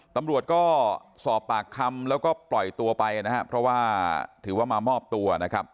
ตำรวจก็สอบปากคำแล้วก็ปล่อยตัวไปนะครับเพราะว่าถือว่ามามอบตัวนะครับ